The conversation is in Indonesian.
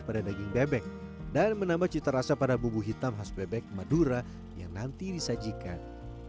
pada daging bebek dan menambah cita rasa pada bumbu hitam khas bebek madura yang nanti disajikan